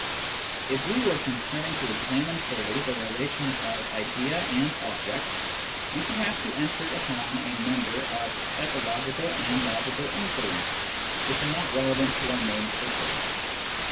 If we were concerned to examine fully the relation of idea and object, we should have to enter upon a number of psychological and logical inquiries, which are not relevant to our main purpose.